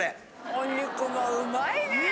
お肉がうまいね！